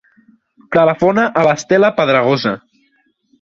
Telefona a l'Estela Pedregosa.